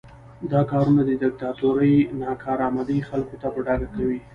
دا کارونه د دیکتاتورۍ ناکارآمدي خلکو ته په ډاګه کوي.